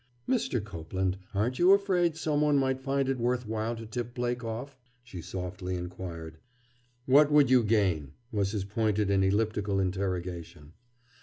"Mr. Copeland, aren't you afraid some one might find it worth while to tip Blake off?" she softly inquired. "What would you gain?" was his pointed and elliptical interrogation.